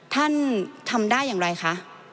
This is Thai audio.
ท่านทำได้อย่างไรคะ